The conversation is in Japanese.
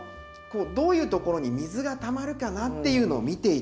どういうところに水がたまるかなっていうのを見て頂いて。